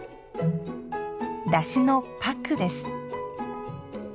だしのパックです。